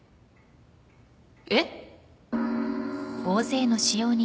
えっ？